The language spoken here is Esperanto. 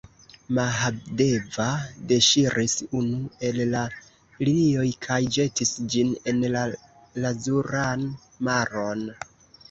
Mahadeva deŝiris unu el la lilioj kaj ĵetis ĝin en la lazuran maron.